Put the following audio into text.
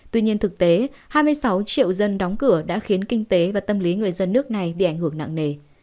tuy nhiên thực tế hai mươi sáu triệu dân đóng cửa đã khiến kinh tế và tâm lý người dân nước này bị ảnh hưởng nặng nề